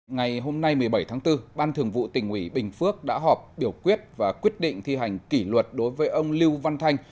ngày hôm nay một mươi bảy tháng bốn ban thường vụ tỉnh ủy bình phước đã họp biểu quyết và quyết định thi hành kỷ luật đối với ông lưu văn thanh